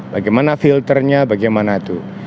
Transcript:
bagaimana filternya bagaimana itu